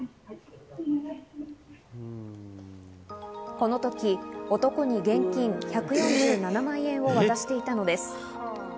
このとき男に現金１４７万円を渡していたのです。